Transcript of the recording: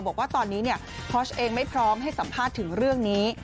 บอกว่าตอนนี้พอชเองไม่พร้อมให้สัมภาษณ์ถึงเรื่องนี้